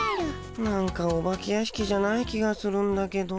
なんかお化け屋敷じゃない気がするんだけど。